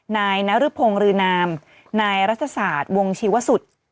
นายนรึพงศ์รืนนามนายรัศสาสตร์วงชีวสุทธิ์